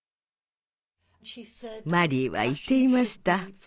マリーは言っていました。